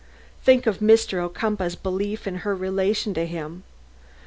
Think of Mr. Ocumpaugh's belief in her relation to him!